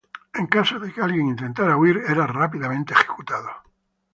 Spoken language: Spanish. En caso de que alguien intentara huir, era rápidamente ejecutado.